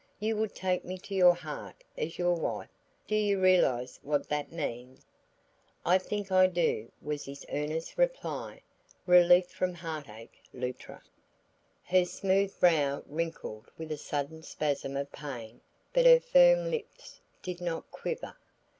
You would take me to your heart as your wife; do you realize what that means?" "I think I do," was his earnest reply. "Relief from heart ache, Luttra." Her smooth brow wrinkled with a sudden spasm of pain but her firm lips did not quiver.